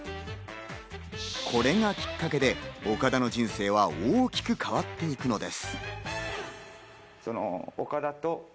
これがきっかけで岡田の人生は大きく変わっていくのです。